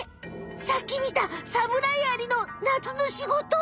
さっき見たサムライアリの夏の仕事？